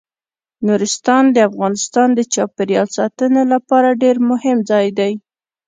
نورستان د افغانستان د چاپیریال ساتنې لپاره ډیر مهم ځای دی.